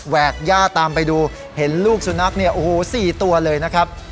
กย่าตามไปดูเห็นลูกสุนัขเนี่ยโอ้โห๔ตัวเลยนะครับ